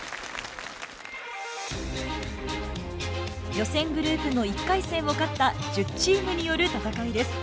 予選グループの１回戦を勝った１０チームによる戦いです。